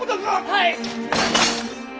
はい！